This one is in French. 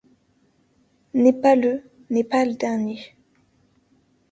N'est pas le, n'est pas le dernier.